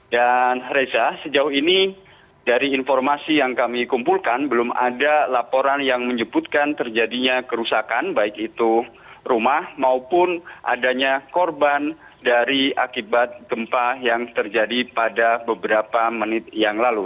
dan reza sejauh ini dari informasi yang kami kumpulkan belum ada laporan yang menyebutkan terjadinya kerusakan baik itu rumah maupun adanya korban dari akibat gempa yang terjadi pada beberapa menit yang lalu